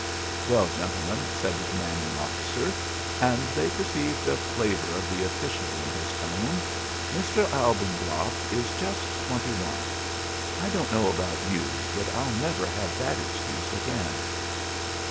"Well, gentlemen," said the commanding officer (and they perceived a flavor of the official in his tone), "Mr. Albumblatt is just twenty one. I don't know about you; but I'll never have that excuse again."